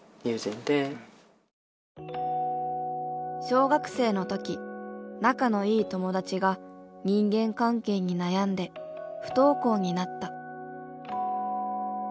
小学生の時仲のいい友達が人間関係に悩んで不登校になった。